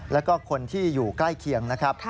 แล้วก็คนที่อยู่ใกล้เคียงนะครับ